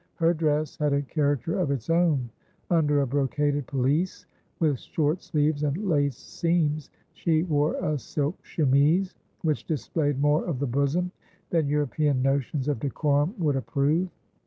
Her dress had a character of its own: under a brocaded pelisse, with short sleeves and laced seams, she wore a silk chemise, which displayed more of the bosom than European notions of decorum would approve.